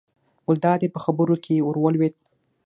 ګلداد یې په خبرو کې ور ولوېد.